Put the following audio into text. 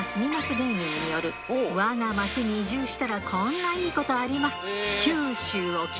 芸人による「わが町に移住したらこんないいことあります」